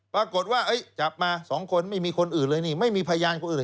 ปรากฏว่าจับมา๒คนไม่มีคนอื่นเลยนี่ไม่มีพยานคนอื่น